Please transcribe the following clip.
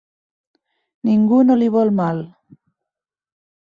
Ningú no li vol mal.